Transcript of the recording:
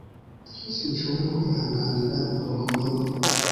Sinshobora kwihanganira urugomo rwe.